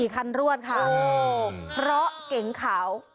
คันรวดค่ะเพราะเก๋งขาว